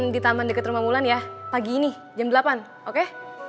di taman dekat rumah mulan ya pagi ini jam delapan oke